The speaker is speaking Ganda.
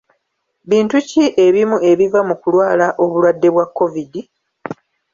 Bintu ki ebimu ebiva mu kulwala obulwadde bwa kovidi?